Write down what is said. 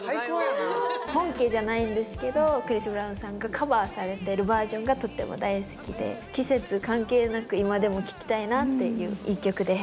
本家じゃないんですけどクリス・ブラウンさんがカバーされてるバージョンがとっても大好きで季節関係なく今でも聴きたいなっていう一曲です。